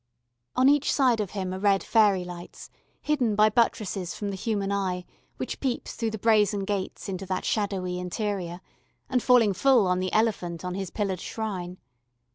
On each side of him are red fairy lights, hidden by buttresses from the human eye which peeps through the brazen gates into that shadowy interior, and falling full on the elephant on his pillared shrine.